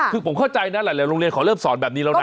คือผมเข้าใจนะหลายโรงเรียนเขาเริ่มสอนแบบนี้แล้วนะ